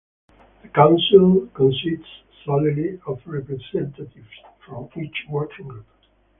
The council consists solely of representatives from each Working Group.